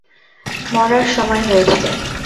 মরার সময় হয়েছে।